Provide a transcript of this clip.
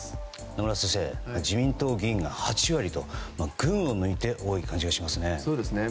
野村先生、自民党議員が８割と群を抜いて多い感じがしますね。